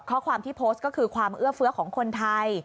ข้อความที่โพสต์ก็คือความเอื้อเฟื้อของคนไทย